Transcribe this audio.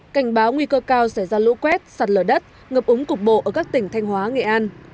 cảnh báo nguy cơ cao sẽ ra lũ quét sạt lở đất ngập úng cục bộ ở các tỉnh thanh hóa nghệ an